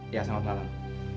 iya selamat malam